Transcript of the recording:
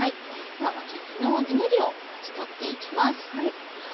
わけぎのぬめりをまず取っていきます。